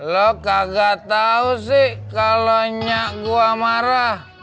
lu kagak tau sih kalau nyak gua marah